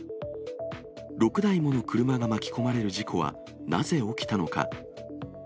６台もの車が巻き込まれる事故は、なぜ起きたのか。